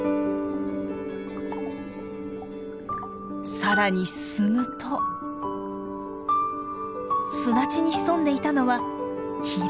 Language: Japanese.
さらに進むと砂地に潜んでいたのはヒラメ。